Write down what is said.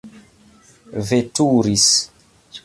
veturis